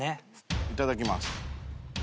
いただきます。